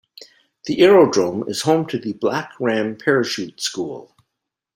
The aerodrome is home to the Black Ram Parachute School.